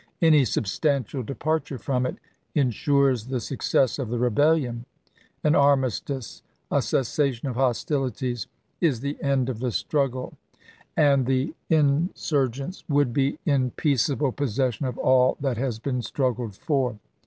Any substantial departure from it insures the success of the rebellion. An armistice — a cessation of hostilities — is the end of the struggle, and the insur LINCOLN KEELECTED 357 gents would be in peaceable possession of all that has chap.xvl been struggled for.